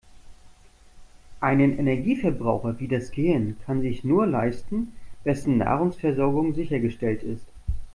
Einen Energieverbraucher wie das Gehirn kann sich nur leisten, wessen Nahrungsversorgung sichergestellt ist.